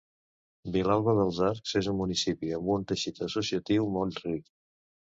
Vilalba dels Arcs és un municipi amb un teixit associatiu molt ric.